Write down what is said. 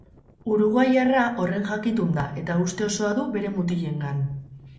Uruguaiarra horren jakitun da eta uste osoa du bere mutilengan.